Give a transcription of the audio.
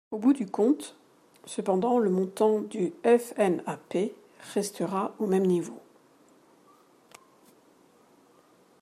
Au bout du compte, cependant, le montant du FNAP restera au même niveau.